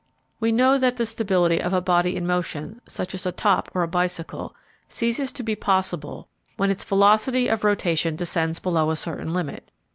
We know that the stability of a body in motion, such as a top or a bicycle, ceases to be possible when its velocity of rotation descends below a certain limit.